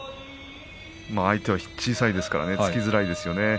相手は小さいですから突きづらいですね。